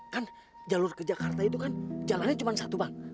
kan jalur ke jakarta itu kan jalannya cuma satu bang